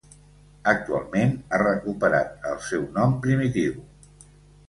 Actualment ha recuperat el seu nom primitiu.